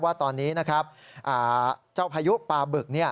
ว่าตอนนี้เจ้าพายุปลาบึก